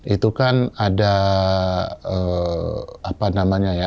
itu kan ada apa namanya ya